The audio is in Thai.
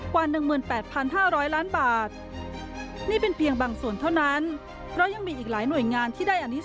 กว่า๑๘๕๐๐ล้านบาท